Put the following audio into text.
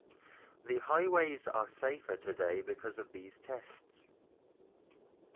The highways are safer today because of these tests.